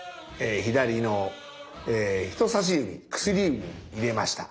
左の人さし指薬指に入れました。